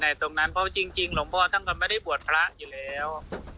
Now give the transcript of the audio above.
ตรงนั้นเพราะจริงหลวงพ่อท่านก็ไม่ได้บวชพระอยู่แล้ว